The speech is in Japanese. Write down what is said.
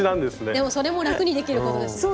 でもそれも楽にできることですもんね。